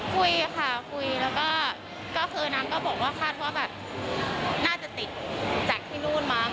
คุยค่ะคุยแล้วก็คาดว่าน่าจะติดจากที่นู่นบ้าง